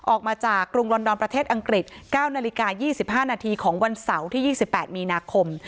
ออกมาจากกรุงลอนดอนประเทศอังกฤษเก้านาฬิกายี่สิบห้านาทีของวันเสาร์ที่ยี่สิบแปดมีนาคม